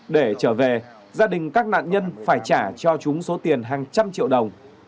để trở về gia đình các nạn nhân phải trả cho chúng số tiền hàng trăm triệu đồng